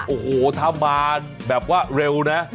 โอ้โหถ้ามาแบบว่าเร็วนะ